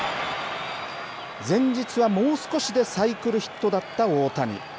前日はもう少しでサイクルヒットだった大谷。